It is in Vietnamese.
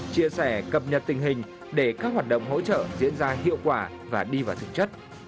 chia sẻ cập nhật tình hình để các hoạt động hỗ trợ diễn ra hiệu quả và đi vào thực chất